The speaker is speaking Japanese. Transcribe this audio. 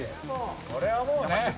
これはもうね。